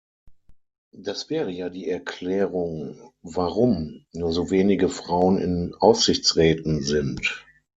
Das wäre ja die Erklärung, warum nur so wenige Frauen in Aufsichtsräten sind.